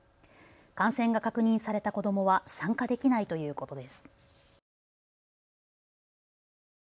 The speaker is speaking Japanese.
感染が確認された子どもは参加できないということです。